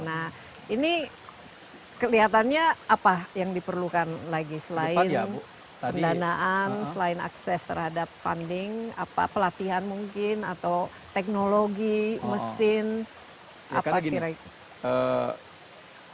nah ini kelihatannya apa yang diperlukan lagi selain pendanaan selain akses terhadap funding apa pelatihan mungkin atau teknologi mesin apa kira kira